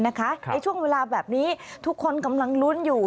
ในช่วงเวลาแบบนี้ทุกคนกำลังลุ้นอยู่